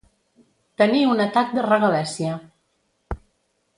Tenir un atac de regalèssia.